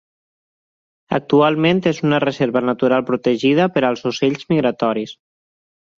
Actualment és una reserva natural protegida per als ocells migratoris.